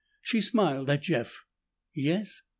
She smiled at Jeff. "Yes?"